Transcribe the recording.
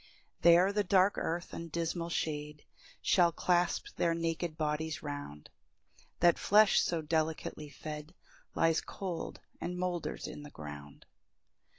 3 There the dark earth and dismal shade Shall clasp their naked bodies round; That flesh, so delicately fed, Lies cold, and moulders in the ground.